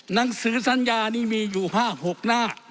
หนังสือสัญญานี้มีอยู่ภาค๖หน้า